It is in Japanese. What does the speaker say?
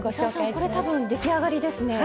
これは出来上がりですね。